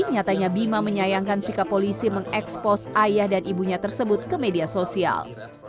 nyatanya bima menyayangkan sikap polisi mengekspos ayah dan ibunya tersebut ke media sosial